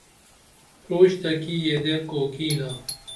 پروش تہ کی یدے کوکینہ